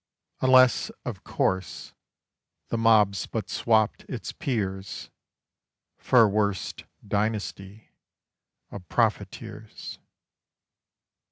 Unless, of course, the Mob's but swapped its Peers For a worse dynasty of profiteers.